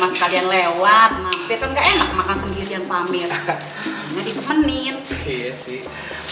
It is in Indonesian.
saya cuma sekalian lewat